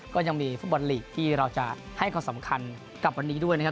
ก็ยังมีฟุตบอลลีกที่เราจะให้ความสำคัญกับวันนี้ด้วยนะครับ